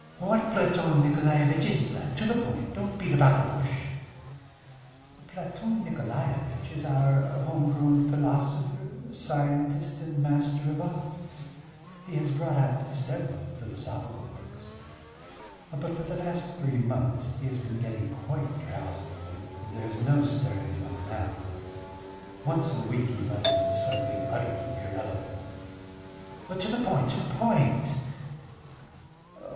"What Platon Nikolaevitch is that? To the point. Don't beat about the bush." "Platon Nikolaevitch is our home grown philosopher, scientist and Master of Arts. He has brought out several philosophical works, but for the last three months he has been getting quite drowsy, and there is no stirring him up now. Once a week he mutters something utterly irrelevant." "To the point, to the point!"